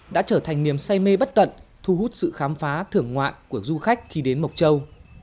đã trở thành niềm say mê bất tận thu hút sự khám phá thưởng ngoạn của du khách khi đến mộc châu